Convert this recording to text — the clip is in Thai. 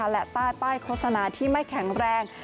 และใต้ป้ายโฆษณาที่ไม่แข็งแรง